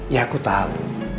ya aku tahu